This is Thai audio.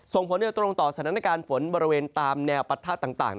ส่งผลโดยตรงต่อสถานการณ์ฝนบริเวณตามแนวปะทะต่าง